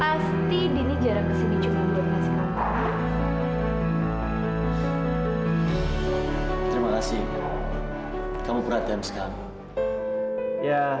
pasti ini jarang ke sini cuma berhasil terima kasih kamu perhatian sekali ya